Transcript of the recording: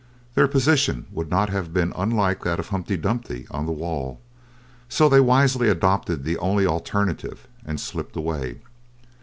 Their position would not have been unlike that of Humpty Dumpty on the wall, so they wisely adopted the only alternative and slipped away.